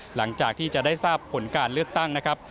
หลังจากที่จะได้ทราบผลการเลือกตั้งนะครับ